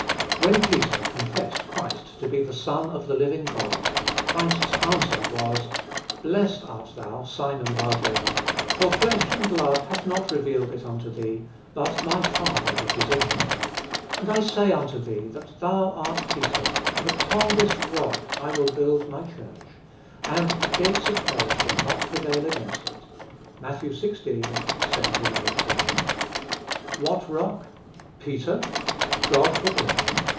When Peter confessed Christ to be the Son of the living God, Christ's answer was, "Blessed art thou, Simon Bar jonah; for flesh and blood hath not revealed it unto thee, but my Father which is in heaven. And I say unto thee, that thou art Peter; and upon this rock I will build my church; and the gates of hell shall not prevail against it." (Matt. xvi. 17, 18.) What rock? Peter? God forbid.